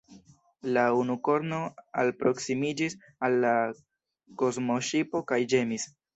La unukorno alproskimiĝis al la kosmoŝipo kaj ĝemis.